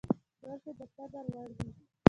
برخې د قدر وړ دي.